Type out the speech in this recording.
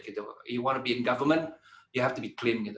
kalau anda ingin menjadi pemerintah anda harus bersih gitu